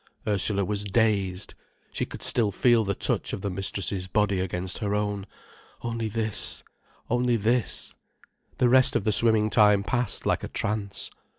Ursula was dazed. She could still feel the touch of the mistress's body against her own—only this, only this. The rest of the swimming time passed like a trance.